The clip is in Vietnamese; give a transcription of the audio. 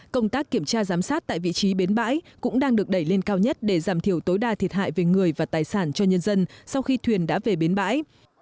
công tác kiểm tra giám sát tại vị trí bến bãi cũng đang được đẩy lên cao nhất để giảm thiểu tối đa thiệt hại về người và tài sản cho nhân dân sau khi thuyền đã về bến bãi